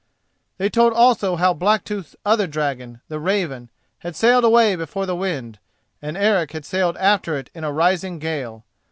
They told also how Blacktooth's other dragon, the Raven, had sailed away before the wind, and Eric had sailed after it in a rising gale.